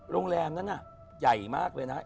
โรงแรมนั้นอะใหญ่มากเลยนะ